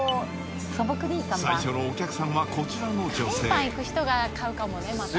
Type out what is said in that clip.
最初のお客さんはこちらの女性。